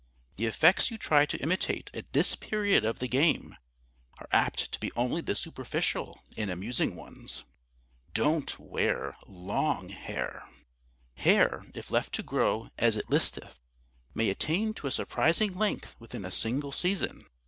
The effects you try to imitate at this period of the game are apt to be only the superficial and amusing ones. [Sidenote: A SHORT WORD ABOUT LONG HAIR] Don't wear long hair. Hair, if left to grow as it listeth, may attain to a surprising length within a single season.